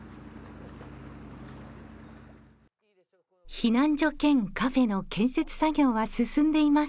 避難所兼カフェの建設作業は進んでいます。